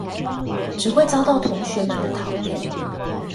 只會遭到同學們的討厭